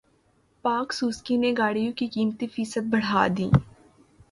پاک سوزوکی نے گاڑیوں کی قیمتیں فیصد بڑھا دیں